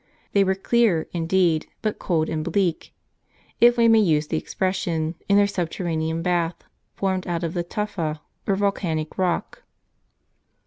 They were clear, indeed, but cold and bleak, if we may use the expression, in their subterranean bath, formed out of the tufa, or volcanic rock.